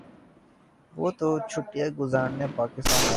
وہ تو چھٹیاں گزارنے پاکستان آتے ہیں۔